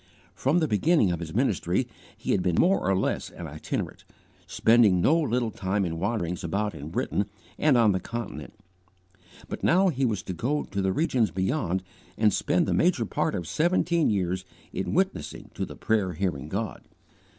From the beginning of his ministry he had been more or less an itinerant, spending no little time in wanderings about in Britain and on the Continent; but now he was to go to the regions beyond and spend the major part of seventeen years in witnessing to the prayer hearing God.